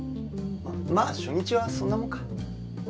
ままあ初日はそんなもんか。